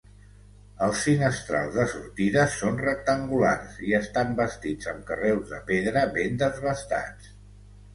Els finestrals de sortida són rectangulars i estan bastits amb carreus de pedra ben desbastats.